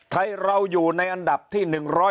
ไทยเราอยู่ในอันดับที่๑๒